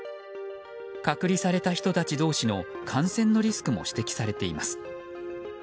隔離された人たち同士の感染のリスクも指摘されています。